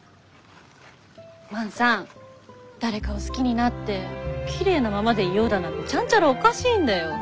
万さん誰かを好きになってきれいなままでいようだなんてちゃんちゃらおかしいんだよ。